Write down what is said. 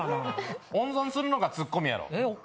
温存するのがツッコミやろ。